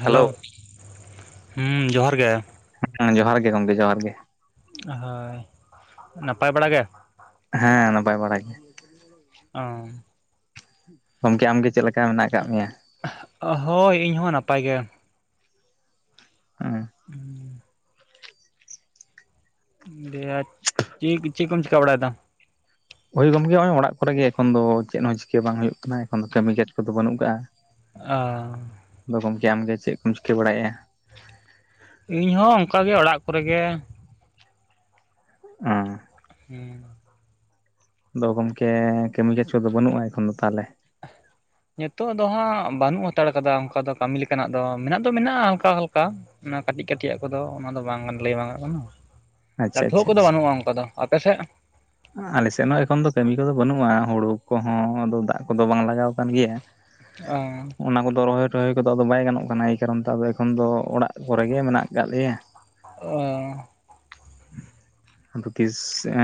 Hello, ᱦᱩᱸ ᱡᱚᱦᱟᱨ ᱜᱮ᱾ ᱦᱮᱸ, ᱡᱚᱦᱟᱨ ᱜᱮ ᱜᱚᱝᱠᱮ ᱡᱚᱦᱟᱨ ᱜᱮ᱾ ᱦᱳᱭ, ᱱᱟᱯᱟᱭ ᱵᱟᱲᱟ ᱜᱮ? ᱦᱮᱸ ᱱᱟᱯᱟᱭ ᱵᱟᱲᱟ ᱜᱮ? ᱚ ᱜᱚᱝᱠᱮ ᱟᱢᱜᱮ ᱪᱮᱫ ᱞᱮᱠᱟ ᱢᱮᱱᱟᱜ ᱟᱠᱟᱫ ᱢᱮᱭᱟ? ᱦᱳᱭ ᱤᱧᱦᱚᱸ ᱱᱟᱯᱟᱭ ᱜᱮ᱾ ᱚᱸ ᱫᱷᱮᱴ ᱪᱤ ᱠᱩ ᱪᱤ ᱠᱚᱢ ᱪᱮᱠᱟ ᱵᱟᱲᱟᱭ ᱫᱟ ᱾ ᱳᱭ ᱜᱚᱝᱠᱮ ᱦᱚᱜ ᱚᱭ ᱚᱲᱟᱜ ᱠᱚᱨᱮ ᱜᱮ ᱮᱠᱷᱚᱱ ᱫᱚ ᱾ ᱪᱮᱫ ᱦᱚᱸ ᱪᱤᱠᱟᱹ ᱵᱟᱝ ᱦᱳᱭᱳᱜ ᱠᱟᱱᱟ ᱮᱠᱷᱚᱱ ᱫᱚ ᱠᱟᱹᱢᱤ ᱠᱟᱡ ᱠᱚᱫᱚ ᱵᱟᱹᱱᱩᱜ ᱟᱠᱟᱜᱼᱟ᱾ ᱚ ᱟᱫᱚ ᱜᱚᱝᱠᱮ ᱟᱢᱜᱮ ᱪᱮᱠ ᱠᱚᱢ ᱪᱤᱠᱟᱹ ᱵᱟᱲᱟᱭ ᱮᱜᱼᱟ? ᱤᱧ ᱦᱚᱸ ᱚᱱᱠᱟ ᱜᱮ ᱚᱲᱟᱜ ᱠᱚᱨᱮ ᱜᱮ᱾ ᱚᱸ ᱦᱩᱸ ᱟᱫᱚ ᱜᱚᱝᱠᱮ ᱠᱟᱹᱢᱤ ᱠᱟᱡ ᱠᱚ ᱫᱚ ᱵᱟᱹᱱᱩᱜᱼᱟ ᱮᱠᱷᱚᱱ ᱫᱚ ᱛᱟᱦᱚᱞᱮ? ᱱᱤᱛᱚᱜ ᱫᱚ ᱦᱟᱸᱜ ᱵᱟᱹᱱᱩᱜ ᱦᱟᱛᱟᱲ ᱠᱟᱫᱟ ᱾ ᱚᱱᱠᱟ ᱫᱚ ᱠᱟᱹᱢᱤ ᱞᱮᱠᱟᱱᱟᱜ ᱫᱚ ᱢᱮᱱᱟᱜ ᱫᱚ ᱢᱮᱱᱟᱜᱼᱟ ᱚᱱᱠᱟ ᱦᱟᱞᱠᱟ᱾ ᱚᱱᱟ ᱠᱟᱹᱴᱤᱡ ᱠᱟᱹᱴᱤᱡᱼᱟ ᱠᱚᱫᱚ ᱚᱱᱟ ᱫᱚ ᱵᱟᱝ ᱞᱟᱹᱭ ᱵᱟᱝ ᱜᱟᱱᱚᱜ ᱠᱟᱱᱟ᱾ ᱟᱪᱪᱷᱟ ᱞᱟᱹᱴᱷᱩᱣᱟᱜ ᱟᱪᱪᱷᱟ ᱠᱚᱫᱚ ᱟᱪᱪᱷᱟ ᱵᱟᱹᱱᱩᱜᱼᱟ ᱚᱱᱠᱟ ᱫᱚ, ᱟᱯᱮ ᱥᱮᱫ᱾ ᱟᱞᱮ ᱥᱮᱫ ᱦᱚᱸ ᱮᱠᱷᱚᱱ ᱫᱚ ᱠᱟᱹᱢᱤ ᱠᱚᱫᱚ ᱵᱟᱹᱱᱩᱜᱼᱟ᱾ ᱦᱳᱲᱳ ᱠᱚᱦᱚᱸ ᱟᱫᱚ ᱫᱟᱜ ᱠᱚᱫᱚ ᱵᱟᱝ ᱞᱟᱜᱟᱣ ᱠᱟᱱ ᱜᱮᱭᱟ᱾ ᱚᱸ ᱚᱱᱟ ᱠᱚᱫᱚ ᱨᱚᱦᱚᱭ ᱴᱚᱦᱚᱭ ᱠᱚᱫᱚ ᱟᱫᱚ ᱵᱟᱭ ᱜᱟᱱᱚᱜ ᱠᱟᱱᱟ᱾ ᱮᱭ ᱠᱟᱨᱚᱱ ᱛᱮ ᱟᱫᱚ ᱮᱠᱷᱚᱱ ᱫᱚ ᱚᱲᱟᱜ ᱠᱚᱨᱮ ᱜᱮ ᱢᱮᱱᱟᱜ ᱟᱠᱟᱫ ᱞᱮᱭᱟ᱾ ᱚ ᱟᱫᱚ ᱛᱤᱥ ᱮᱸ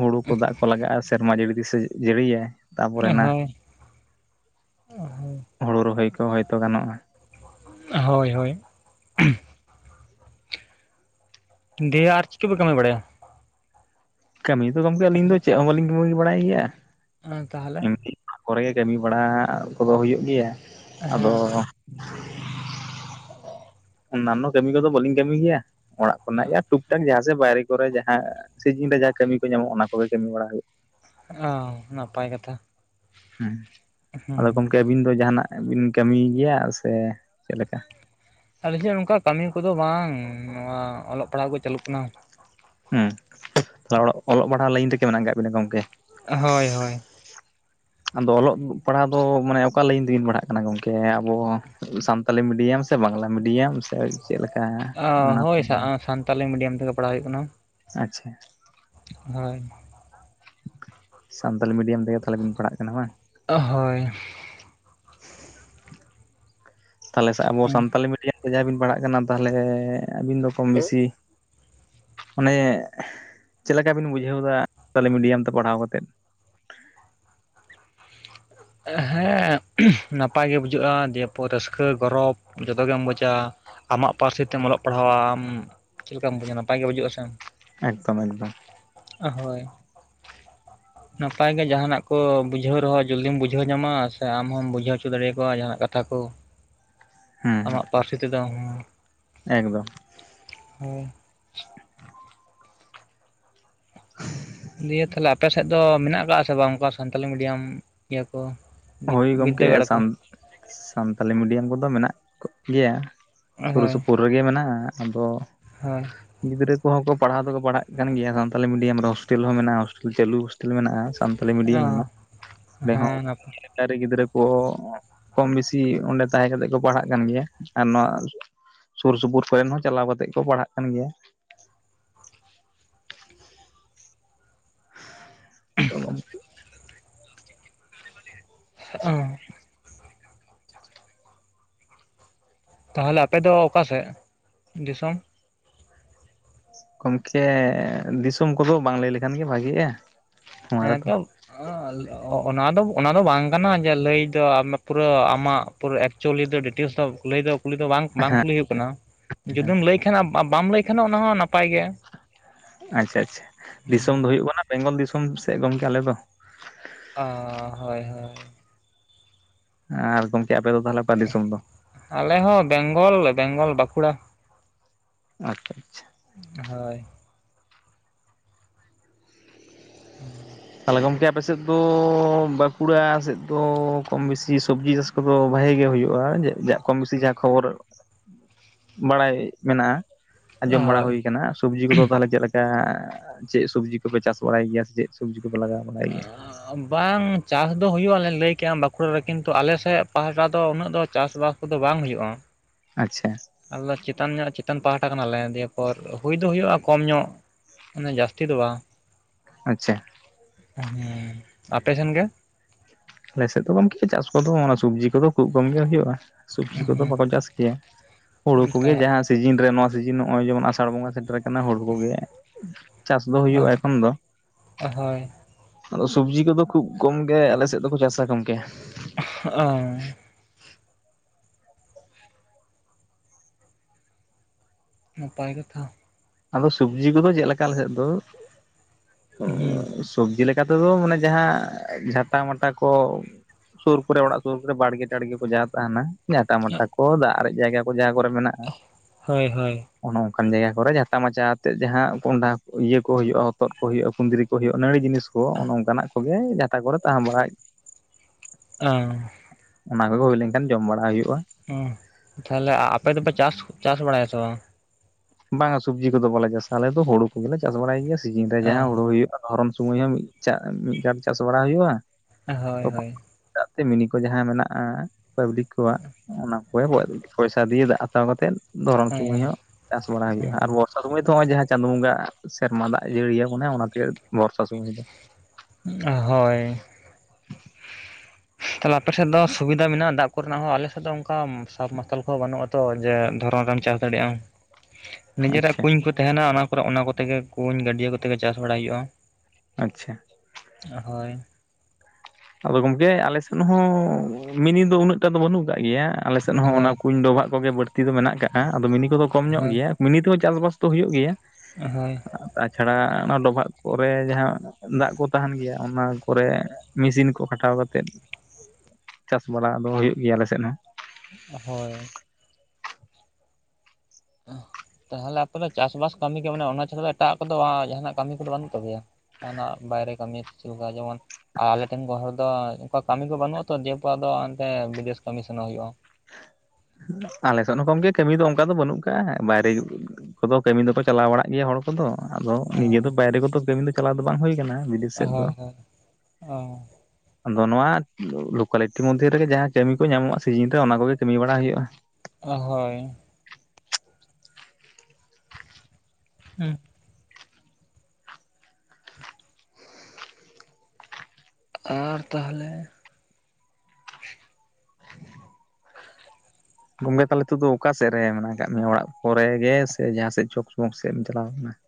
ᱦᱩᱲᱩ ᱠᱚ ᱫᱟᱜ ᱠᱚ ᱞᱟᱜᱟᱜᱼᱟ᱾ ᱥᱮᱨᱢᱟ ᱡᱟᱹᱲᱤ ᱛᱤᱥᱮ ᱡᱟᱹᱲᱤᱭᱟᱭ ᱛᱟᱨᱯᱚᱨᱮ ᱚ ᱱᱟ ᱦᱳᱭ ᱦᱩᱲᱩ ᱨᱚᱦᱚᱭ ᱠᱚ ᱦᱳᱭᱛᱚ ᱜᱟᱱᱚᱜᱼᱟ᱾ ᱦᱳᱭ ᱦᱳᱭ᱾ ᱫᱤᱭᱮ ᱟᱨ ᱪᱤᱫ ᱠᱚ ᱯᱮ ᱠᱟᱹᱢᱤ ᱵᱟᱲᱟᱭᱟ᱾ ᱠᱟᱹᱢᱤ ᱫᱚ ᱜᱚᱝᱠᱮ ᱟᱹᱞᱤᱧ ᱫᱚ ᱪᱮᱫ ᱦᱚᱸ ᱵᱟᱹᱞᱤᱧ ᱠᱟᱹᱢᱤ ᱵᱟᱲᱟᱭ ᱜᱮᱭᱟ᱾ ᱦᱮᱸ ᱛᱟᱦᱞᱮ ᱮᱢᱱᱤ ᱚᱲᱟᱜ ᱠᱚᱨᱮᱜᱮ ᱠᱟᱹᱢᱤ ᱵᱟᱲᱟ ᱠᱚᱫᱚ ᱦᱩᱭᱩᱜ ᱜᱮᱭᱟ ᱟᱫᱚ ᱦᱮᱸ ᱚᱱᱱᱟᱱᱚ ᱠᱟᱹᱢᱤ ᱠᱚᱫᱚ ᱵᱟᱹᱞᱤᱧ ᱠᱟᱹᱢᱤ ᱜᱮᱭᱟ ᱚᱲᱟᱜ ᱚ ᱠᱚᱨᱮᱱᱟᱜ ᱜᱮ ᱟᱨ ᱴᱩᱠ ᱴᱟᱠ ᱡᱟᱦᱟᱸ ᱥᱮ ᱵᱟᱭᱨᱮ ᱠᱚᱨᱮ ᱡᱟᱦᱟᱸ ᱥᱤᱡᱤᱱ ᱨᱮ ᱡᱟᱦᱟᱸ ᱠᱟᱹᱢᱤ ᱠᱚ ᱧᱟᱢᱚᱜ-ᱟ ᱚᱱᱟ ᱠᱚᱜᱮ ᱠᱟᱹᱢᱤ ᱵᱟᱲᱟ ᱦᱩᱭᱩᱜ-ᱟ ᱚ ᱱᱟᱯᱟᱭ ᱠᱟᱛᱷᱟ ᱦᱩᱸ ᱟᱫᱚ ᱦᱮᱸ ᱜᱚᱢᱠᱮ ᱟᱹᱵᱤᱱ ᱫᱚ ᱡᱟᱦᱟᱱᱟᱜ ᱵᱤᱱ ᱠᱟᱹᱢᱤ ᱜᱮᱭᱟ ᱥᱮ ᱪᱮᱫ ᱞᱮᱠᱟ ᱟᱞᱤᱧ ᱦᱚᱸ ᱱᱚᱝᱠᱟ ᱠᱟᱹᱢᱤ ᱠᱚᱫᱚ ᱵᱟᱝ ᱱᱚᱣᱟ ᱚᱞᱚᱜ-ᱯᱟᱲᱦᱟᱣ ᱠᱚ ᱪᱟᱹᱞᱩᱜ ᱠᱟᱱᱟ ᱦᱩᱸ [unintelligible] ᱚᱞᱚᱜ ᱵᱟᱰᱷᱟᱜ ᱞᱟᱹᱭᱤᱱ ᱨᱮᱜᱮ ᱢᱮᱱᱟᱜ ᱟᱠᱟᱫ ᱵᱤᱱᱟ ᱜᱚᱝᱠᱮ ᱦᱚᱭ ᱦᱚᱭ ᱟᱫᱚ ᱚᱞᱚᱜ ᱯᱟᱲᱦᱟᱣ ᱫᱚ ᱢᱟᱱᱮ ᱚᱠᱟ ᱞᱟᱹᱭᱤᱱ ᱛᱮᱵᱤᱱ ᱯᱟᱲᱦᱟᱜ ᱠᱟᱱᱟ ᱜᱚᱢᱠᱮ ᱟᱵᱚ ᱥᱟᱱ ᱥᱟᱱᱛᱟᱞᱤ ᱢᱤᱰᱤᱭᱟᱢ ᱥᱮ ᱵᱟᱝᱞᱟ ᱢᱤᱰᱤᱭᱟᱢ ᱥᱮ ᱪᱮᱫ ᱞᱮᱠᱟ? ᱚᱱᱟ ᱦᱳᱭ ᱥᱟᱱᱛᱟᱞᱤ ᱢᱤᱰᱤᱭᱟᱢ ᱛᱮᱜᱮ ᱯᱟᱲᱦᱟᱣ ᱦᱳᱭᱳᱜ ᱠᱟᱱᱟ᱾ ᱟᱪᱪᱷᱟ ᱦᱚᱭ ᱥᱟᱱᱛᱟᱞᱤ ᱢᱤᱰᱤᱭᱟᱢ ᱛᱮᱜᱮ ᱛᱟᱦᱞᱮ ᱵᱤᱱ ᱯᱟᱲᱦᱟᱜ ᱠᱟᱱᱟ ᱵᱟᱝ ᱚᱦ-ᱦᱚᱭ ᱛᱟᱦᱞᱮ ᱟᱵᱚ ᱥᱟᱱᱛᱟᱞᱤ ᱢᱤᱰᱤᱭᱟᱢ ᱛᱮ ᱡᱟᱦᱟᱸ ᱵᱤᱱ ᱯᱟᱲᱦᱟᱜ ᱠᱟᱱᱟ ᱛᱟᱦᱞᱮ ᱟᱹᱵᱤᱱ ᱫᱚ ᱠᱚᱢ ᱵᱤᱥᱤ ᱚᱱᱮ ᱪᱮᱫ ᱞᱮᱠᱟ ᱵᱤᱱ ᱵᱩᱡᱷᱟᱹᱣ ᱮᱫᱟ ᱥᱟᱱᱛᱟᱞᱤ ᱢᱤᱰᱤᱭᱟᱢ ᱛᱮ ᱯᱟᱲᱦᱟᱣ ᱠᱟᱛᱮᱫ ᱦᱮᱸ ᱱᱟᱯᱟᱭ ᱜᱮ ᱵᱩᱡᱷᱟᱹᱜ-ᱟ ᱫᱤᱭᱮ ᱯᱚᱨ ᱨᱟᱹᱥᱠᱟᱹ ᱜᱚᱨᱚᱵᱽ ᱡᱚᱛᱚ ᱜᱮᱢ ᱵᱩᱡᱟ ᱟᱢᱟᱜ ᱯᱟᱹᱨᱥᱤ ᱛᱮᱢ ᱚᱞᱚᱜ ᱯᱟᱲᱦᱟᱣᱟ ᱟᱢ ᱪᱮᱫ ᱞᱮᱠᱟᱢ ᱵᱩᱡᱟ ᱱᱟᱯᱟᱭ ᱜᱮ ᱵᱩᱡᱩᱜ-ᱟ ᱥᱮ ᱮᱠᱫᱚᱢ-ᱮᱠᱫᱚᱢ ᱦᱚᱭ ᱱᱟᱯᱟᱭ ᱜᱮ ᱡᱟᱦᱟᱱᱟᱜ ᱠᱚ ᱵᱩᱡᱷᱟᱹᱣ ᱨᱮᱦᱚᱸ ᱡᱚᱞᱫᱤᱢ ᱵᱩᱡᱟ ᱵᱩᱡᱷᱟᱹᱣ ᱧᱟᱢᱟ ᱥᱮ ᱟᱢ ᱦᱚᱢ ᱵᱩᱡᱷᱟᱹᱣ ᱚᱪᱚ ᱫᱟᱲᱮ ᱟᱠᱚᱣᱟ ᱡᱟᱦᱟᱱᱟᱜ ᱠᱟᱛᱷᱟ ᱠᱚ ᱟᱢᱟᱜ ᱯᱟᱥ [unintelligible] ᱮᱠ ᱫᱚᱢ ᱦᱚᱸ [unintelligible] ᱫᱤᱭᱮᱹ ᱛᱟᱦᱞᱮ ᱟᱯᱮᱥᱮᱫ ᱫᱚ ᱢᱮᱱᱟᱜ ᱠᱟᱜ-ᱟ ᱥᱮ ᱵᱟᱝ ᱚᱠᱟ ᱥᱟᱱᱛᱟᱞᱤ ᱢᱤᱰᱤᱭᱟᱹᱞᱢ ᱤᱭᱟᱹ ᱠᱚ ᱦᱚᱭ ᱜᱚᱢᱠᱮ ᱵᱤᱫᱽᱫᱟᱹᱜᱟᱲ ᱠᱚ ᱥᱟᱱ ᱥᱟᱱᱛᱟᱞᱤ ᱢᱤᱰᱤᱭᱟᱢ ᱠᱚᱫᱚ ᱢᱮᱱᱟᱜ ᱠᱚᱜ ᱜᱮᱭᱟ ᱥᱩᱨ-ᱥᱩᱯᱩᱨ ᱨᱮᱜᱮ ᱢᱮᱱᱟᱜ-ᱟ ᱟᱫᱚ ᱦᱮᱸ ᱜᱤᱫᱽᱨᱟᱹ ᱠᱚᱦᱚᱸ ᱠᱚ ᱯᱟᱲᱦᱟᱣ ᱫᱚᱠᱚ ᱯᱟᱲᱦᱟᱜ ᱠᱟᱱ ᱜᱮᱭᱟ ᱥᱟᱱᱛᱟᱞᱤ ᱢᱤᱰᱤᱭᱟᱢ ᱨᱮ ᱦᱚᱥᱴᱮᱞ ᱦᱚᱸ ᱢᱮᱱᱟᱜ-ᱟ ᱦᱚᱥᱴᱮᱞ ᱪᱟᱹᱞᱩ ᱦᱚᱥᱴᱮᱞ ᱢᱮᱱᱟᱜᱼᱟ ᱥᱟᱱᱛᱟᱞᱤ ᱚ ᱢᱤᱰᱤᱭᱟᱹᱢ ᱨᱮᱱᱟᱜ ᱨᱮᱦᱚᱸ ᱦᱮᱸ ᱱᱟᱯᱟᱭ ᱪᱮᱫ ᱞᱮᱠᱟᱨᱮ ᱜᱤᱫᱽᱨᱟᱹ ᱠᱚ ᱠᱚᱢ-ᱵᱤᱥᱤ ᱚᱸᱰᱮ ᱛᱟᱦᱮᱸ ᱠᱟᱛᱮ ᱠᱚ ᱯᱟᱲᱦᱟᱜ ᱠᱟᱱ ᱜᱮᱭᱟ ᱟᱨ ᱱᱚᱣᱟ ᱥᱩᱨ-ᱥᱩᱯᱩᱨ ᱠᱚᱨᱮᱱ ᱦᱚᱸ ᱪᱟᱞᱟᱣ ᱠᱟᱛᱮᱜ ᱠᱚ ᱯᱟᱲᱦᱟᱜ ᱠᱟᱱ ᱜᱮᱭᱟ ᱫᱚ ᱵᱟᱝ ᱦᱚᱸᱜ-ᱚᱸ ᱛᱟᱦᱚᱞᱮ ᱟᱯᱮ ᱫᱚ ᱚᱠᱟ ᱥᱮᱫ ᱫᱤᱥᱚᱢ ᱜᱚᱢᱠᱮ ᱫᱤᱥᱚᱢ ᱠᱚᱫᱚ ᱵᱟᱝ ᱞᱟᱹᱭ ᱞᱮᱠᱷᱟᱱ ᱜᱮ ᱵᱷᱟᱹᱜᱤᱜ-ᱟ ᱦᱮᱸ ᱛᱚ ᱚᱱᱟ ᱫᱚ ᱚᱱᱟ ᱫᱚ ᱵᱟᱝ ᱠᱟᱱᱟ ᱡᱮ ᱞᱟᱹᱭ ᱫᱚ ᱟᱢᱟᱜ ᱯᱩᱨᱟᱹ ᱟᱢᱟᱜ ᱯᱩᱨᱟᱹ ᱮᱠᱪᱩᱞᱤ ᱫᱚ ᱰᱤᱴᱮᱞᱥ ᱫᱚ ᱞᱟᱹᱭ ᱫᱚ ᱠᱩᱞᱤ ᱫᱚ ᱵᱟᱝ ᱵᱟᱝ ᱠᱩᱞᱤ ᱦᱩᱭᱩᱜ ᱠᱟᱱᱟ ᱡᱩᱫᱤᱢ ᱞᱟᱹᱭ ᱠᱷᱟᱱ ᱟᱢ ᱵᱟᱢ ᱞᱟᱹᱭ ᱠᱷᱟᱱ ᱚᱱᱟ ᱦᱚᱸ ᱱᱟᱯᱟᱭ ᱜᱮᱭᱟ ᱟᱪᱷᱟ-ᱟᱪᱷᱟ ᱫᱤᱥᱚᱢ ᱫᱚ ᱦᱩᱭᱩᱜ ᱠᱟᱱᱟ ᱵᱮᱝᱜᱚᱞ ᱫᱤᱥᱚᱢ ᱥᱮᱫ ᱜᱚᱝᱠᱮ ᱟᱞᱮ ᱫᱚ ᱟᱻ ᱦᱚᱭ ᱦᱚᱭ ᱟᱨ ᱜᱚᱢᱠᱮ ᱟᱯᱮ ᱫᱚ ᱛᱟᱦᱞᱮ ᱚᱠᱟ ᱫᱤᱥᱚᱢ ᱫᱚ ᱟᱞᱮ ᱦᱚᱸ ᱵᱮᱝᱜᱚᱞ ᱵᱮᱝᱜᱚᱞ ᱵᱟᱠᱩᱲᱟ ᱟᱪᱪᱷᱟ ᱟᱪᱪᱷᱟ ᱦᱚᱭ [inaudible] ᱦᱚᱭ ᱜᱚᱢᱠᱮ ᱟᱯᱮ ᱥᱮᱫ ᱫᱚ ᱵᱟᱸᱠᱩᱲᱟ ᱥᱮᱫ ᱫᱚ ᱠᱚᱢ-ᱵᱤᱥᱤ ᱥᱚᱵᱽᱡᱤ ᱪᱟᱥ ᱠᱚᱫᱚ ᱵᱷᱟᱜᱮ ᱜᱮ ᱦᱩᱭᱩᱜ-ᱟ ᱡᱮ ᱢᱟ ᱠᱚᱢ ᱵᱤᱥᱤ ᱡᱟᱦᱟᱸ ᱠᱷᱚᱵᱚᱨ᱾ ᱵᱟᱲᱟᱭ ᱢᱮᱱᱟᱜ-ᱟ, ᱟᱸᱡᱚᱢ ᱵᱟᱲᱟ ᱦᱳᱭ ᱦᱩᱭᱟᱱᱟ ᱥᱚᱵᱡᱤ ᱠᱚᱫᱚ ᱛᱟᱦᱮ ᱪᱮᱫ ᱞᱮᱠᱟ ᱪᱮᱫ ᱥᱚᱵᱡᱤ ᱠᱚᱯᱮ ᱪᱟᱥ ᱵᱟᱲᱟᱭ ᱜᱮᱭᱟ ᱥᱮ ᱪᱮᱫ? ᱥᱚᱵᱽᱡᱤ ᱞᱟᱜᱟᱣ ᱵᱟᱲᱟᱭ ᱜᱮᱭᱟ ᱵᱟᱝ ᱪᱟᱥ ᱫᱚ ᱦᱩᱭᱩᱜ ᱟᱞᱮ ᱞᱟᱹᱭ ᱠᱮᱫ-ᱟ ᱵᱟᱸᱠᱩᱲᱟ ᱨᱮ ᱠᱤᱱᱛᱩ ᱟᱞᱮᱥᱮᱫ ᱯᱟᱦᱴᱟ ᱫᱚ ᱩᱱᱟᱹᱜ ᱫᱚ ᱪᱟᱥᱵᱟᱥ ᱠᱚᱫᱚ ᱵᱟᱝ ᱦᱩᱭᱩᱜ-ᱟ᱾ ᱟᱪᱪᱷᱟ, ᱟᱞᱮ ᱪᱮᱛᱟᱱ ᱧᱚᱜ ᱪᱮᱛᱟᱱ ᱯᱟᱦᱴᱟ ᱠᱟᱱᱟᱞᱮ ᱫᱤᱭᱮᱯᱚᱨ ᱦᱩᱭ ᱫᱚ ᱦᱩᱭᱩᱜ-ᱟ ᱠᱚᱢ ᱧᱚᱜ ᱢᱟᱱᱮ ᱡᱟᱹᱥᱛᱤ ᱫᱚ ᱵᱟᱝ᱾ ᱟᱪᱪᱷᱟ, ᱦᱩ ᱟᱯᱮᱥᱮᱱ ᱜᱮ? ᱟᱞᱮᱥᱮᱫ ᱫᱚ ᱜᱢᱠᱮᱭᱟ ᱪᱟᱥ ᱠᱚᱫᱚ ᱥᱚᱵᱡᱤ ᱠᱚᱫᱚ ᱠᱷᱩᱵ ᱠᱚᱢ ᱜᱮ ᱦᱩᱭᱩᱜ-ᱟ᱾ ᱥᱚᱵᱽᱡᱤ ᱠᱚᱫᱚ ᱵᱟᱠᱚ ᱪᱟᱥ ᱜᱮᱭᱟ ᱦᱩᱲᱩ ᱦᱩᱸ ᱠᱚᱜᱮ ᱛᱟ ᱡᱟᱦᱟᱸ ᱥᱤᱡᱤᱱ ᱨᱮ ᱱᱚᱣᱟ ᱥᱤᱡᱤᱱ ᱱᱚᱜ-ᱚᱭ ᱡᱮᱢᱚᱱ ᱟᱥᱟᱲ ᱵᱚᱸᱜᱟ ᱥᱮᱴᱮᱨ ᱠᱟᱱᱟ ᱦᱩᱲᱩ ᱠᱚᱜᱮ ᱪᱟᱥ ᱫᱚ ᱦᱩᱭᱩᱜ-ᱟ ᱮᱠᱷᱚᱱ ᱫᱚ ᱦᱳᱭ ᱟᱫᱚ ᱥᱚᱵᱽᱡᱤ ᱠᱚᱫᱚ ᱠᱷᱩᱵ ᱠᱚᱢ ᱜᱮ ᱟᱞᱮ ᱥᱮᱫ ᱫᱚᱠᱚ ᱪᱟᱥᱟ ᱜᱚᱢᱠᱮ᱾ ᱦᱟᱜ-ᱚᱭ ᱱᱟᱯᱟᱭ ᱠᱟᱛᱷᱟ ᱟᱫᱚ ᱥᱚᱵᱽᱡᱤ ᱠᱚᱫᱚ ᱪᱮᱫ ᱞᱮᱠᱟ ᱟᱞᱮ ᱥᱮᱫ ᱫᱚ ᱦᱩᱸ ᱥᱚᱵᱽᱡᱤ ᱞᱮᱠᱟᱛᱮᱫᱚ ᱢᱟᱱᱮ ᱡᱟᱦᱟᱸ ᱡᱷᱟᱴᱟ ᱢᱟᱴᱟ ᱠᱚ᱾ ᱥᱩᱨ ᱠᱚᱨᱮ ᱚᱲᱟᱜ ᱥᱩᱨ ᱠᱚᱨᱮ ᱵᱟᱲᱜᱮ ᱴᱟᱲᱜᱮ ᱠᱚ ᱡᱟᱦᱟ ᱛᱟᱦᱮᱱᱟ ᱡᱟᱴᱟ ᱢᱟᱴᱟ ᱠᱚ ᱫᱟᱜ ᱟᱨᱮᱡ ᱡᱟᱭᱜᱟ ᱠᱚ ᱡᱟᱦᱟᱸ ᱠᱚᱨᱮ ᱢᱮᱱᱟᱜ-ᱟ᱾ ᱦᱳᱭ ᱦᱳᱭ, ᱚᱱᱮ ᱚᱱ ᱠᱟᱱ ᱡᱟᱭᱜᱟ ᱠᱚᱨᱮ ᱟᱴᱟ ᱢᱟᱪᱟ ᱟᱛᱮᱫ ᱡᱟᱦᱟᱸ ᱠᱚᱸᱰᱷᱟ ᱤᱭᱟᱹ ᱠᱚ ᱦᱩᱭᱩᱜ-ᱟ ᱦᱚᱛᱚᱫ ᱠᱚ ᱦᱩᱭᱩᱜ-ᱟ ᱠᱩᱸᱫᱽᱨᱤ ᱠᱚ ᱦᱩᱭᱩᱜ-ᱟ ᱱᱟᱹᱲᱤ ᱡᱤᱱᱤᱥ᱾ ᱛᱚ ᱱᱚᱝᱠᱟᱱᱟᱜ ᱠᱚᱜᱮ ᱡᱟᱦᱟᱸᱴᱟ ᱠᱚᱨᱮ ᱛᱟᱦᱮᱸ ᱵᱟᱲ ᱟ ᱚᱱᱟ ᱠᱚ ᱦᱩᱭ ᱞᱮᱱᱠᱷᱟᱱ ᱡᱚᱢ ᱵᱟᱲᱟ ᱦᱩᱭᱩᱜ-ᱟ᱾ ᱦᱚᱸ ᱛᱟᱦᱚᱞᱮ ᱟᱯᱮ ᱫᱚᱯᱮ ᱪᱟᱥ, ᱪᱟᱥ ᱵᱟᱲᱟᱭᱟ ᱥᱮ ᱵᱟᱝ? ᱵᱟᱝᱟ ᱥᱚᱵᱽᱡᱤ ᱠᱚᱫᱚ ᱵᱟᱞᱮ ᱪᱟᱥᱟ ᱟᱞᱮ ᱫᱚ ᱦᱩᱲᱩ ᱠᱚᱜᱮᱞᱮ ᱪᱟᱥ ᱵᱟᱲᱟᱭ ᱜᱮᱭᱟ ᱥᱤᱡᱤᱱ ᱨᱮ ᱡᱟᱦᱟᱸ ᱦᱩᱲᱩ ᱦᱩᱭᱩᱜ-ᱟ᱾ ᱫᱷᱚᱨᱚᱱ ᱥᱩᱢᱟᱹᱭ ᱦᱚᱸ ᱢᱤᱫ ᱢᱤᱫ ᱜᱷᱟᱴ ᱪᱟᱥ ᱵᱟᱲᱟ ᱦ ᱦᱩᱭᱩᱜ-ᱟ᱾ ᱦᱳᱭ ᱦᱳᱭ, ᱫᱟᱜ ᱛᱮ, ᱢᱤᱱᱤ ᱠᱚ ᱡᱟᱦᱟᱸ ᱢᱮᱱᱟᱜᱼᱟ ᱯᱟᱵᱽᱞᱤᱠ ᱠᱚᱣᱟᱜ ᱚᱱᱟ ᱠᱚᱨᱮ ᱯᱚᱭᱥᱟ ᱫᱤᱭᱮ ᱫᱟᱜ ᱦᱟᱛᱟᱣ ᱠᱟᱛᱮᱜ ᱫᱷᱚᱨᱚᱢ ᱥᱩᱢᱟᱹᱭ ᱦᱚᱸ ᱪᱟᱥ ᱵᱟᱲᱟ ᱦᱩᱭᱩᱜᱼᱟ ᱟᱨ [unintelligible] ᱫᱚ ᱱᱚᱜ ᱚᱭ ᱡᱟᱦᱟᱸ ᱪᱟᱸᱫᱳ ᱵᱚᱸᱜᱟ ᱥᱮᱨᱢᱟ ᱫᱟᱜ ᱡᱟᱹᱲᱤᱭᱟᱹ ᱟᱵᱚᱱᱟᱭ ᱚᱱᱟᱛᱮ ᱵᱚᱨᱥᱟ ᱥᱩᱢᱚᱭ ᱫᱚ ᱦᱳᱭ ᱛᱟᱦᱮ ᱟᱯᱮᱥᱮᱫ ᱫᱚ ᱥᱩᱵᱤᱫᱟ ᱢᱮᱱᱟᱜᱼᱟ ᱫᱟᱜ ᱠᱚᱨᱮᱱᱟᱜ ᱦᱚᱸ ᱟᱞᱮᱥᱮᱫ ᱫᱚ ᱚᱱᱠᱟ ᱥᱟᱵ ᱢᱟᱨᱥᱟᱞ ᱠᱚᱦᱚᱸ ᱵᱟᱹᱱᱩᱜ ᱟᱛᱚ ᱡᱮ ᱫᱷᱚᱨᱚᱱ ᱨᱮᱱ ᱪᱟᱥ ᱫᱟᱲᱮᱭᱟᱜ ᱟᱢ, ᱱᱤᱡᱮᱨᱟᱜ ᱟᱪᱪᱷᱟ ᱠᱩᱧ ᱠᱚ ᱛᱟᱦᱮᱱᱟ ᱚᱱᱟ ᱠᱚ ᱚᱱᱟ ᱠᱚᱛᱮ ᱜᱮ ᱠᱩᱧ ᱜᱟᱹᱰᱭᱟᱹ ᱠᱚᱛᱮ ᱜᱮ ᱪᱟᱥ ᱵᱟᱲᱟᱟᱭ ᱦᱩᱭᱩᱜᱼᱟ᱾ ᱟᱪᱪᱷᱟ, ᱦᱳᱭ, ᱟᱫᱚ ᱜᱚᱢᱠᱮ ᱟᱞᱮ ᱥᱮᱫ ᱦᱚᱸ ᱢᱤᱱᱤ ᱫᱚ ᱩᱱᱟᱹᱜᱴᱟ ᱫᱚ ᱵᱟᱹᱱᱩᱜ ᱟᱠᱟᱜ ᱜᱮᱭᱟ᱾ ᱟᱞᱮᱥᱮᱫ ᱦᱚᱸ ᱚᱱᱟ ᱦᱳᱭ ᱠᱩᱧ ᱰᱚᱵᱷᱟᱜ ᱠᱚᱜᱮ ᱵᱟᱹᱲᱛᱤ ᱫᱚ ᱢᱮᱱᱟᱜ ᱟᱠᱟᱜᱼᱟ ᱟᱫᱚ ᱢᱤᱱᱤ ᱠᱚᱫᱚ ᱠᱚᱢ ᱧᱚᱜ ᱦᱳᱭ ᱜᱮᱭᱟ᱾ ᱢᱤᱱᱤ ᱛᱮᱦᱚᱸ ᱪᱟᱥᱵᱟᱥ ᱫᱚ ᱦᱩᱭᱩᱜ ᱜᱮᱭᱟ᱾ ᱦᱳᱭ, ᱛᱟᱪᱷᱟᱲᱟ ᱚᱱᱟ ᱰᱚᱵᱷᱟᱜ ᱠᱚᱨᱮ ᱡᱟᱦᱟᱸ ᱫᱟᱜ ᱠᱚ ᱛᱟᱦᱮᱱ ᱜᱮᱭᱟ ᱚᱱᱟ ᱠᱚᱨᱮ ᱢᱮᱥᱤᱱ ᱠᱚ ᱠᱷᱟᱴᱟᱣ ᱠᱟᱛᱮᱫ ᱪᱟᱥ ᱵᱟᱲᱟ ᱫᱚ ᱦᱩᱭᱩᱜ ᱜᱮᱭᱟ ᱟᱞ ᱥᱮᱫ ᱦᱚᱸ᱾ ᱦᱳᱭ ᱛᱟᱦᱚᱞᱮ ᱟᱯᱮ ᱪᱟᱥᱵᱟᱥ ᱠᱟᱹᱢᱤ ᱜᱮ ᱢᱟᱱᱮ ᱚᱱᱟ ᱪᱷᱟᱲᱟ ᱫᱚ ᱮᱴᱟᱜ ᱠᱚᱫᱚ ᱡᱟᱦᱟᱱᱟᱜ ᱠᱟᱹᱢᱤ ᱠᱚᱫᱚ ᱵᱟᱹᱱᱩᱜ ᱛᱟᱯᱮᱭᱟ ᱡᱟᱦᱟᱱᱟᱜ ᱵᱟᱭᱨᱮ ᱠᱟᱹᱢᱤ ᱪᱮᱫ ᱞᱮᱠᱟ ᱡᱮᱢᱚᱱ ᱟᱨ ᱟᱞᱮ ᱴᱷᱮᱱ ᱠᱚ ᱦᱚᱲ ᱫᱚ ᱚᱱᱠᱟ ᱠᱟᱹᱢᱤ ᱠᱚ ᱵᱟᱹᱱᱩᱜ ᱟᱛᱚ ᱫᱮ ᱠᱚᱣᱟᱜ ᱫᱚ ᱮᱱᱛᱮ ᱵᱤᱫᱮᱥ ᱠᱟᱹᱢᱤ ᱥᱮᱟᱱᱟᱚᱜ ᱦᱩᱭᱩᱜᱼᱟ [inaudible] ᱟᱞᱮᱥᱮᱫ ᱦᱚᱸ ᱠᱚᱢᱜᱮ ᱠᱟᱹᱢᱤ ᱫᱚ ᱚᱱᱠᱟ ᱫᱚ ᱵᱟᱹᱱᱩᱜ ᱠᱟᱜᱼᱟ ᱵᱟᱭᱨᱮ ᱠᱚᱫᱚ ᱠᱟᱹᱢᱤ ᱫᱚᱠᱚ ᱪᱟᱞᱟᱣ ᱵᱟᱲᱟᱜ ᱜᱮᱭᱟ ᱦᱚᱲ ᱠᱚᱫᱚ ᱟᱫᱚ ᱱᱤᱡᱮ ᱫᱚ ᱵᱟᱭᱨᱮ ᱠᱚᱫᱚ ᱠᱟᱹᱢᱤ ᱫᱚ ᱪᱟᱞᱟᱣ ᱫᱚ ᱵᱟᱝ ᱦᱩᱭᱟᱱᱟ ᱦᱳᱭ ᱦᱳᱭ ᱚ ᱟᱫᱚ ᱱᱚᱣᱟ ᱞᱳᱠᱟᱞᱤᱴᱤ ᱢᱚᱫᱽᱫᱷᱮ ᱨᱮᱜᱮ ᱡᱟᱦᱟᱸ ᱠᱟᱹᱢᱤ ᱠᱚ ᱧᱟᱢᱚᱜᱼᱟ ᱥᱤᱡᱤᱱ ᱨᱮ ᱚᱱᱟ ᱠᱚᱜᱮ ᱠᱟᱹᱢᱤ ᱵᱟᱲᱟ ᱦᱩᱭᱩᱜᱼᱟ ᱦᱳᱭ [unintelligible] ᱟᱨ ᱛᱟᱦᱚᱞᱮ? ᱜᱚᱢᱠᱮ ᱛᱟᱦᱚᱞᱮ ᱱᱤᱛ ᱫᱚ ᱚᱠᱟ ᱥᱮᱫ ᱨᱮ ᱢᱮᱱᱟᱜ ᱟᱠᱟᱫ ᱢᱮᱭᱟ᱾ ᱚᱲᱟᱜ ᱠᱚᱨᱮ ᱜᱮ ᱥᱮ ᱡᱟᱦᱟᱸ ᱥᱮᱫ ᱪᱚᱠ [unintelligible] ᱥᱮᱫ ᱮᱢ ᱪᱟᱞᱟᱣ ᱠᱟᱱᱟ ᱾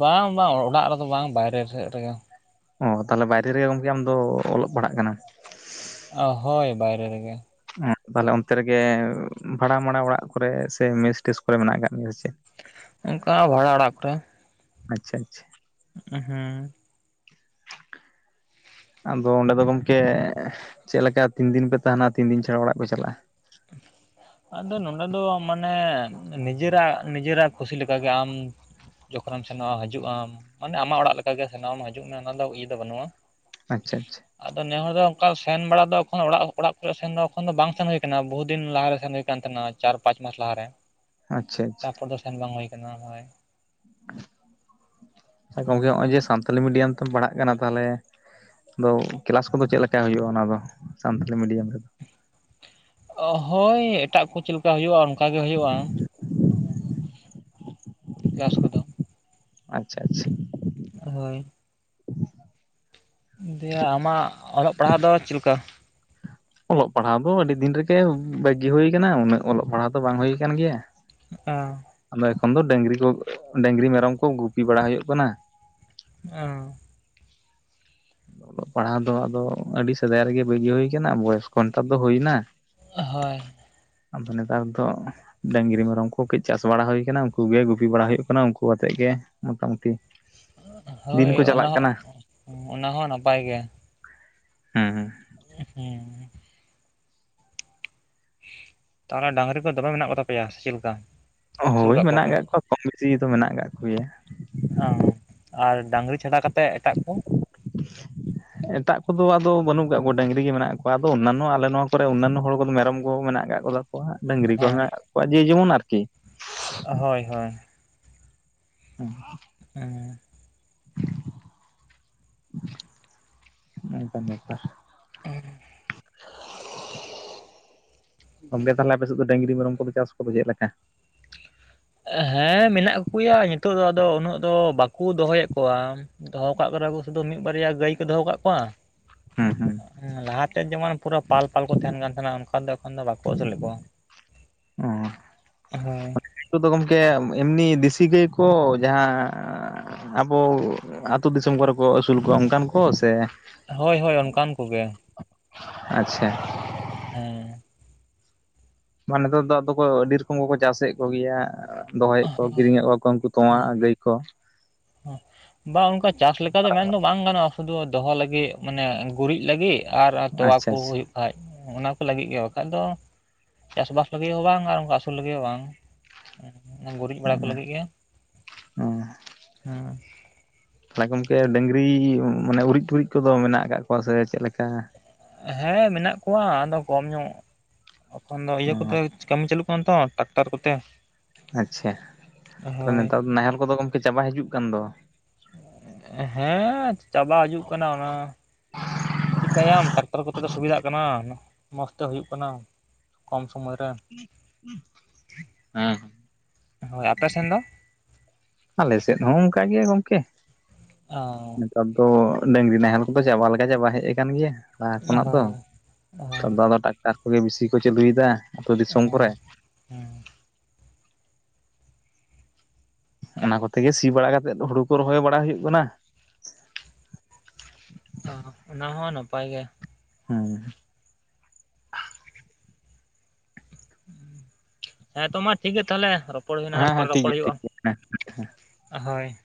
ᱵᱟᱝ ᱵᱟᱝ ᱚᱲᱟᱜ ᱨᱮᱫᱚ ᱵᱟᱝ ᱵᱟᱭᱨᱮ ᱥᱮᱫ ᱨᱮᱜᱮ᱾ ᱚ ᱛᱟᱦᱞᱮ ᱵᱟᱭᱨᱮ ᱨᱮᱜᱮ ᱜᱚᱢᱠᱮ ᱟᱢ ᱫᱚ ᱚᱞᱚᱜ ᱯᱟᱲᱦᱟᱜ ᱠᱟᱱᱟᱢ ᱚ ᱦᱳᱭ ᱵᱟᱭᱨᱮ ᱨᱮᱜᱮ ᱛᱟᱦᱞᱮ ᱚᱱᱛᱮ ᱨᱮᱜᱮ ᱵᱷᱟᱲᱟ ᱢᱟᱲᱟ ᱚᱲᱟᱜ ᱠᱚᱨᱮ ᱥᱮ ᱢᱮᱥ ᱴᱮᱥ ᱠᱚᱨᱮ ᱢᱮᱱᱟᱜ ᱠᱟᱜ ᱢᱮᱭᱟ ᱥᱮ ᱪᱮᱫ ᱚᱱᱠᱟ ᱵᱷᱟᱲᱟ ᱚᱲᱟᱜ ᱠᱚᱨᱮ ᱟᱪᱪᱷᱟ ᱟᱪᱪᱷᱟ ᱦᱮᱸ ᱟᱫᱚ ᱚᱸᱰᱮ ᱫᱚ ᱜᱚᱢᱠᱮ ᱪᱮᱫ ᱞᱮᱠᱟ ᱛᱤᱱ ᱫᱤᱱ ᱯᱮ ᱛᱟᱦᱮᱱᱟ ᱛᱤᱱ ᱫᱤᱱ ᱪᱷᱟᱲᱟ ᱚᱲᱟᱜ ᱯᱮ ᱪᱟᱞᱟᱜᱼᱟ ᱟᱫᱚ ᱱᱚᱰᱮ ᱫᱚ ᱢᱟᱱᱮ ᱱᱤᱡᱮᱨᱟᱜ ᱱᱤᱡᱮᱨᱟᱜ ᱠᱩᱥᱤ ᱞᱮᱠᱟᱜᱮ ᱟᱢ ᱡᱚᱠᱷᱚᱱᱮᱢ ᱥᱮᱱᱚᱜᱼᱟ ᱦᱤᱡᱩᱜ ᱟᱢ ᱢᱟᱱᱮ ᱟᱢᱟᱜ ᱚᱲᱟᱜ ᱞᱮᱠᱟᱜᱮ ᱥᱮᱱᱚᱜᱣᱟᱢ ᱦᱤᱡᱩᱜ ᱢᱮ ᱚᱱᱟ ᱫᱚ ᱤᱭᱟᱹ ᱫᱚ ᱵᱟᱹᱱᱩᱜᱼᱟ ᱟᱪᱪᱷᱟ ᱟᱪᱪᱷᱟ ᱟᱫᱚ ᱱᱮ ᱦᱚᱲ ᱫᱚ ᱚᱱᱠᱟ ᱥᱮᱱ ᱵᱟᱲᱟ ᱫᱚ ᱚᱲᱟᱜ ᱚᱲᱟᱜ ᱠᱚᱨᱮ ᱥᱮᱱ ᱫᱚ ᱮᱠᱷᱚᱱ ᱫᱚ ᱵᱟᱝ ᱥᱮᱱ ᱦᱩᱭ ᱟᱠᱟᱱᱟ ᱵᱚᱦᱩᱫᱤᱱ ᱞᱟᱦᱟᱨᱮ ᱥᱮᱱ ᱦᱩᱭᱠᱟᱱ ᱛᱟᱦᱮᱱᱟ ᱪᱟᱨ ᱯᱟᱸᱪ ᱢᱟᱥ ᱞᱟᱦᱟᱨᱮ ᱟᱪᱪᱷᱟ ᱟᱪᱪᱷᱟ ᱛᱟᱨᱯᱚᱨ ᱫᱚ ᱥᱮᱱ ᱵᱟᱝ ᱦᱩᱭ ᱟᱠᱟᱱᱟ ᱦᱳᱭ ᱜᱚᱝᱠᱮ ᱱᱚᱜᱼᱚᱭ ᱡᱮ ᱥᱟᱱᱛᱟᱞᱤ ᱢᱤᱰᱤᱭᱟᱢ ᱛᱚ ᱯᱟᱲᱦᱟᱜ ᱠᱟᱱᱟ ᱛᱟᱦᱚᱞᱮ ᱟᱫᱚ ᱠᱮᱞᱟᱥ ᱠᱚᱫᱚ ᱪᱮᱫ ᱞᱮᱠᱟ ᱦᱩᱭᱩᱜᱼᱟ ᱚᱱᱟ ᱫᱚ ᱥᱟᱱᱛᱟᱲᱤ ᱢᱤᱰᱤᱭᱟᱢ ᱨᱮᱫᱚ ᱦᱳᱭ ᱮᱴᱟᱜ ᱠᱚ ᱪᱮᱫᱠᱟ ᱦᱩᱭᱩᱜᱼᱟ ᱚᱱᱠᱟ ᱜᱮ ᱦᱩᱭᱩᱜᱼᱟ [inaudible] [unintelligible] ᱠᱚᱫᱚ ᱟᱪᱪᱷᱟ ᱟᱪᱪᱷᱟ ᱦᱳᱭ ᱫᱤᱭᱮ ᱟᱢᱟᱜ ᱚᱞᱚᱜ ᱯᱟᱲᱦᱟᱣ ᱫᱚ ᱪᱮᱫ ᱞᱮᱠᱟ? ᱚᱞᱚᱜ ᱯᱟᱲᱦᱟᱣ ᱫᱚ ᱟᱹᱰᱤ ᱫᱤᱱ ᱨᱮᱜᱮ ᱵᱟᱜᱤ ᱦᱩᱭ ᱟᱠᱟᱱᱟ ᱩᱱᱟᱹᱜ ᱚᱞᱚᱜ ᱯᱟᱲᱦᱟᱜ ᱫᱚ ᱵᱟᱝ ᱦᱩᱭ ᱟᱠᱟᱱ ᱜᱮᱭᱟ ᱚ ᱟᱫᱚ ᱮᱠᱷᱚᱱ ᱫᱚ ᱰᱟᱹᱝᱨᱤ ᱠᱚ, ᱰᱟᱹᱝᱨᱤ ᱢᱮᱨᱚᱢ ᱠᱚ ᱜᱩᱯᱤ ᱵᱟᱲᱟ ᱦᱩᱭᱩᱜ ᱠᱟᱱᱟ᱾ ᱚ ᱚᱞᱚᱜ ᱯᱟᱲᱦᱟᱣ ᱫᱚ ᱟᱫᱚ ᱟᱹᱰᱤ ᱥᱮᱫᱟᱭ ᱨᱮᱜᱮ ᱵᱟᱹᱜᱤ ᱦᱩᱭ ᱟᱠᱟᱱᱟ ᱵᱚᱭᱮᱥ ᱱᱮᱛᱟᱨ ᱫᱚ ᱦᱩᱭᱱᱟ᱾ ᱦᱳᱭ ᱟᱫᱚ ᱱᱮᱛᱟᱨ ᱫᱚ ᱰᱟᱹᱝᱨᱤ ᱢᱮᱨᱚᱢ ᱠᱚ ᱠᱟᱹᱡ ᱪᱟᱥ ᱵᱟᱲᱟ ᱦᱩᱭ ᱟᱠᱟᱱᱟ ᱩᱱᱠᱩ ᱜᱮ ᱜᱩᱯᱤ ᱵᱟᱲᱟ ᱦᱩᱭᱩᱜ ᱠᱟᱱᱟ ᱩᱱᱠᱩ ᱟᱛᱮᱫ ᱜᱮ ᱢᱚᱴᱟ ᱢᱩᱴᱤ ᱦᱳᱭ ᱚᱱᱟ ᱦᱚᱸ, ᱚᱱᱟ ᱦᱚᱸ ᱱᱟᱯᱟᱭ ᱜᱮᱭᱟ ᱦᱩᱸ ᱦᱩᱸ ᱦᱩᱸ ᱛᱟᱦᱚᱞᱮ ᱰᱟᱝᱨᱤ ᱠᱚ ᱫᱚᱢᱮ ᱢᱮᱱᱟᱜ ᱠᱚ ᱛᱟᱯᱮᱭᱟ ᱥᱮ ᱪᱮᱫᱮᱠᱟ? ᱦᱳᱭ ᱢᱮᱱᱟᱜ ᱠᱟᱜ ᱠᱚᱣᱟ ᱠᱚᱢ ᱵᱤᱥᱤᱚ ᱢᱮᱱᱟᱜ ᱟᱠᱟᱜ ᱠᱚᱜᱮᱭᱟ᱾ ᱚᱸ ᱟᱨ ᱰᱟᱝᱨᱤ ᱪᱷᱟᱰᱟ ᱠᱟᱛᱮᱫ ᱮᱴᱟᱜ ᱠᱚ [inaudible] ᱮᱴᱟᱜ ᱠᱚᱫᱚ ᱟᱫᱚ ᱵᱟᱹᱱᱩᱜ ᱠᱟᱫ ᱠᱚᱣᱟ ᱰᱟᱹᱝᱨᱤ ᱜᱮ ᱢᱮᱱᱟᱜ ᱠᱚᱣᱟ, ᱟᱫᱚ ᱚᱱᱱᱟᱱᱚ ᱟᱞᱮ ᱱᱚᱣᱟ ᱠᱚᱨᱮ ᱚᱱᱱᱟᱱᱚ ᱦᱚᱲ ᱠᱚᱫᱚ ᱢᱮᱨᱚᱢ ᱠᱚ ᱢᱮᱱᱟᱜ ᱠᱟᱫ [unintelligible] ᱠᱚ ᱦᱟᱸᱜ ᱰᱟᱹᱝᱨᱤ ᱠᱚ ᱦᱮᱸ ᱢᱮᱱᱟᱜ ᱠᱚᱣᱟ ᱡᱮ-ᱡᱮᱢᱚᱱ ᱟᱨᱠᱤ᱾ ᱦᱳᱭ ᱦᱳᱭ ᱦᱩᱸ ᱚᱸᱻ [inaudible] ᱱᱚᱝᱠᱟᱱ ᱵᱮᱯᱟᱨ᱾ [unintelligible] [inaudible] ᱜᱚᱝᱠᱮ ᱛᱟᱦᱞᱮ ᱟᱯᱮ ᱥᱮᱫ ᱫᱚ ᱰᱟᱹᱝᱨᱤ ᱢᱮᱨᱚᱢ ᱠᱚᱫᱚ ᱪᱟᱥ ᱠᱚᱫᱚ ᱪᱮᱫᱞᱮᱠᱟ? ᱦᱮᱸ ᱢᱮᱱᱟᱜ ᱠᱚ ᱜᱮᱭᱟ ᱱᱤᱛᱚᱜ ᱫᱚ ᱟᱫᱚ ᱩᱱᱟᱹᱜ ᱫᱚ ᱵᱟᱠᱚ ᱫᱚᱦᱚᱭᱮᱫ ᱠᱚᱣᱟ᱾ ᱫᱚᱦᱚ ᱠᱟᱜ ᱠᱚ ᱨᱮᱦᱚᱸ ᱠᱚ ᱥᱩᱫᱩ ᱢᱤᱫ ᱵᱟᱨᱭᱟ ᱜᱟᱹᱭ ᱠᱚ ᱫᱚᱦᱚ ᱠᱟᱜ ᱠᱚᱣᱟ᱾ ᱦᱩᱸ ᱦᱩᱸ ᱞᱟᱦᱟᱛᱮ ᱡᱮᱢᱚᱱ ᱯᱩᱨᱟᱹ ᱯᱟᱞᱼ ᱯᱟᱞ ᱠᱚ ᱛᱟᱦᱮᱱ ᱠᱟᱱ ᱛᱟᱦᱮᱱᱟ ᱚᱱᱠᱟ ᱫᱚ ᱮᱠᱷᱚᱱ ᱫᱚ ᱵᱟᱠᱚ ᱟᱹᱥᱩᱞᱮᱫ ᱠᱚᱣᱟ᱾ ᱦᱳᱭ ᱩᱱᱠᱩ ᱫᱚ ᱜᱚᱝᱠᱮ ᱮᱢᱱᱤ ᱫᱮᱥᱤ ᱜᱟᱹᱭ ᱠᱚ ᱡᱟᱦᱟᱸ ᱟᱵᱚ ᱟᱹᱛᱩ ᱫᱤᱥᱚᱢ ᱠᱚᱨᱮ ᱠᱚ ᱟᱹᱥᱩᱞ ᱠᱚᱣᱟ ᱚᱱᱠᱟᱱ ᱠᱚ ᱥᱮ ᱦᱳᱭ ᱦᱳᱭ ᱚᱱᱠᱟᱱ ᱠᱚᱜᱮ᱾ [inaudible] ᱟᱪᱪᱷᱟ ᱦᱮᱸ ᱢᱟ ᱱᱮᱛᱟᱨ ᱫᱚ ᱟᱫᱚ ᱠᱚ ᱟᱹᱰᱤ ᱨᱚᱠᱚᱢ ᱠᱚᱠᱚ ᱪᱟᱥᱮᱫ ᱠᱚᱜᱮᱭᱟ ᱫᱚᱦᱚᱭᱮᱫ ᱠᱚ ᱠᱤᱨᱤᱧᱮᱫ ᱠᱚ ᱩᱱᱠᱩ ᱛᱳᱣᱟ ᱜᱟᱹᱭ ᱠᱚ ᱵᱟ ᱚᱱᱠᱟ ᱪᱟᱥ ᱞᱮᱠᱟ ᱫᱚ ᱢᱮᱱᱫᱚ ᱵᱟᱝ ᱜᱟᱱᱚᱜᱼᱟ ᱥᱩᱫᱩ ᱫᱚᱦᱚ ᱞᱟᱹᱜᱤᱫ ᱢᱟᱱᱮ ᱜᱩᱨᱤᱡ ᱞᱟᱹᱜᱤᱫ ᱟᱨ ᱛᱚᱣᱟ ᱠᱚ ᱟᱪᱪᱷᱟ ᱟᱪᱪᱷᱟ ᱦᱩᱭᱩᱜ ᱠᱷᱟᱡ, ᱚᱱᱟ ᱠᱚ ᱞᱟᱹᱜᱤᱫ ᱜᱮ ᱵᱟᱠᱷᱟᱡ ᱫᱚ ᱪᱟᱥ ᱵᱟᱥ ᱞᱟᱹᱜᱤᱫ ᱦᱚᱸ ᱵᱟᱝ ᱟᱨ ᱚᱱᱠᱟ ᱟᱹᱥᱩᱞ ᱞᱟᱹᱜᱤᱫ ᱦᱚᱸ ᱵᱟᱝ ᱜᱩᱨᱤᱡ ᱵᱟᱲᱟ ᱠᱚ ᱞᱟᱹᱜᱤᱫ ᱜᱮ᱾ ᱚᱸ ᱦᱩᱸ ᱛᱟᱦᱮ ᱜᱚᱝᱠᱮ ᱰᱟᱹᱝᱨᱤ ᱢᱟᱱᱮ ᱩᱨᱤᱡ ᱴᱩᱨᱤᱡ ᱠᱚᱫᱚ ᱢᱮᱱᱟᱜ ᱟᱠᱟᱫ ᱠᱚᱣᱟ ᱥᱮ ᱪᱮᱫ ᱞᱮᱠᱟ᱾ ᱦᱮᱸ ᱢᱮᱱᱟᱜ ᱠᱚᱣᱟ ᱟᱫᱚ ᱠᱚᱢ ᱧᱚᱜ᱾ ᱮᱠᱷᱚᱱ ᱫᱚ ᱤᱭᱟᱹ ᱠᱚᱛᱮ ᱚ ᱠᱟᱹᱢᱤ ᱪᱟᱹᱞᱩᱜ ᱠᱟᱱᱟ ᱛᱚ ᱴᱨᱟᱠᱴᱟᱨ ᱠᱚᱛᱮ᱾ ᱟᱪᱪᱷᱟ ᱛᱟᱵᱮ ᱦᱳᱭ ᱱᱮᱛᱟᱨ ᱫᱚ ᱱᱟᱦᱮᱞ ᱠᱚᱫᱚ ᱜᱚᱝᱠᱮ ᱪᱟᱵᱟᱭ ᱦᱤᱡᱩᱜ ᱠᱟᱱ ᱫᱚ᱾ ᱦᱮᱸ ᱪᱟᱵᱟ ᱦᱤᱡᱩᱜ ᱠᱟᱱᱟ ᱚᱱᱟ ᱪᱤᱠᱟᱹᱭᱟᱢ ᱴᱟᱠᱴᱟᱨ ᱠᱚᱛᱮ ᱫᱚ ᱥᱩᱵᱤᱫᱷᱟᱜ ᱠᱟᱱᱟ ᱢᱚᱸᱡᱽ ᱛᱮ ᱦᱩᱭᱩᱜ ᱠᱟᱱᱟ ᱠᱚᱢ ᱥᱚᱢᱚᱭ ᱨᱮ᱾ ᱦᱮᱸ ᱦᱮᱸ ᱦᱳᱭ ᱟᱯᱮ ᱥᱮᱱ ᱫᱚ? ᱟᱞᱮ ᱥᱮᱫ ᱦᱚᱸ ᱚᱱᱠᱟ ᱜᱮ ᱜᱚᱝᱠᱮ᱾ ᱚ ᱱᱮᱛᱟᱨ ᱫᱚ ᱰᱟᱹᱝᱨᱤ ᱱᱟᱦᱮᱞ ᱠᱚᱫᱚ ᱪᱟᱵᱟ ᱞᱮᱠᱟ ᱪᱟᱵᱟ ᱦᱮᱡ ᱟᱠᱟᱱ ᱜᱮᱭᱟ᱾ ᱞᱟᱦᱟ ᱦᱳᱭ ᱠᱷᱚᱱᱟᱜ ᱫᱚ ᱦᱳᱭ ᱱᱮᱛᱟᱨᱫᱚ ᱟᱫᱚ ᱴᱟᱠᱴᱟᱨ ᱠᱚᱜᱮ ᱵᱤᱥᱤ ᱠᱚ ᱪᱟᱹᱞᱩᱭᱮᱫᱟ ᱟᱹᱛᱩ ᱫᱤᱥᱚᱢ ᱦᱮᱸ ᱠᱚᱨᱮ ᱦᱮᱸ ᱚᱱᱟ ᱠᱚᱛᱮ ᱜᱮ ᱥᱤ ᱵᱟᱲᱟ ᱠᱟᱛᱮᱜ ᱦᱩᱲᱩ ᱠᱚ ᱨᱚᱦᱚᱭ ᱵᱟᱲᱟ ᱦᱩᱭᱩᱜ ᱠᱟᱱᱟ ᱚ ᱚᱱᱟ ᱦᱚᱸ ᱱᱟᱯᱟᱭ ᱜᱮ ᱦᱮᱸ ᱦᱮᱸᱛᱚ ᱢᱟ ᱴᱷᱤᱠ ᱜᱮᱭᱟ ᱛᱟᱦᱞᱮ ᱨᱚᱯᱚᱲ ᱦᱮᱸ ᱦᱩᱭᱱᱟ ᱦᱮᱸ ᱯᱚᱨᱮ ᱴᱷᱤᱠ ᱨᱚᱯᱚᱲ ᱜᱮᱭᱟ ᱦᱩᱭᱩᱜᱼᱟ ᱴᱷᱤᱠ ᱜᱮᱭᱟ ᱦᱮᱸ ᱦᱳᱭ